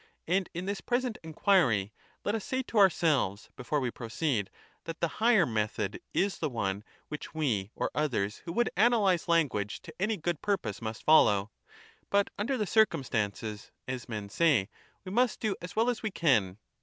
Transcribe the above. And in this present enquiry, let us say to ourselves, before we proceed, that the higher method is the one which we or others who would analyse language to any good purpose must follow ; but under the circumstances, as men say, wx must do as well as we can.